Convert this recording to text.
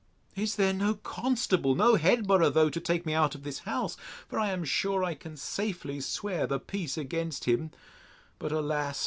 —Is there no constable, nor headborough, though, to take me out of his house? for I am sure I can safely swear the peace against him: But, alas!